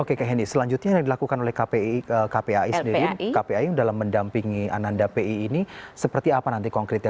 oke kek hendy selanjutnya yang dilakukan oleh kpi sendiri dalam mendampingi anak anak pi ini seperti apa nanti konkretnya